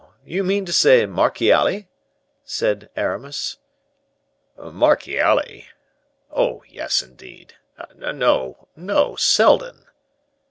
you mean to say Marchiali?" said Aramis. "Marchiali? oh! yes, indeed. No, no, Seldon."